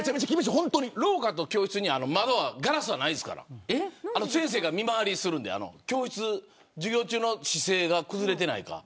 廊下と教室にガラスはないですから先生が見回りするんで授業中の姿勢が崩れていないか。